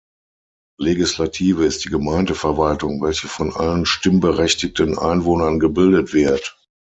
Legislative ist die Gemeindeversammlung, welche von allen stimmberechtigten Einwohnern gebildet wird.